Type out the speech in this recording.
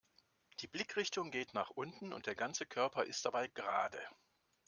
Die Blickrichtung geht nach unten und der ganze Körper ist dabei gerade.